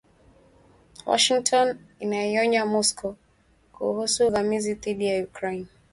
Washington inaionya Moscow kuhusu uvamizi dhidi ya Ukraine